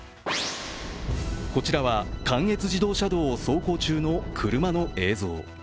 こちらは関越自動車道を走行中の車の映像。